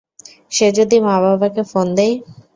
সে যদি মা-বাবাকে ফোন দেয়?